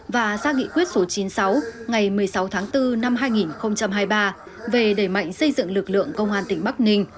và ra nghị quyết số chín mươi sáu ngày một mươi sáu tháng bốn năm hai nghìn hai mươi ba về đẩy mạnh xây dựng lực lượng công an tỉnh bắc ninh